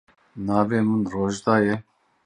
Navê min Rojda ye.